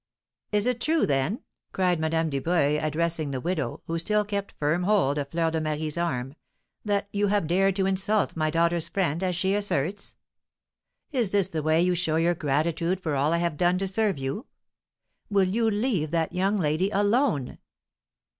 "Is it true, then," cried Madame Dubreuil, addressing the widow, who still kept firm hold of Fleur de Marie's arm, "that you have dared to insult my daughter's friend, as she asserts? Is this the way you show your gratitude for all I have done to serve you? Will you leave that young lady alone?"